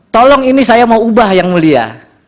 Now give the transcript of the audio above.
tolong ini saya mau ubah yang mulia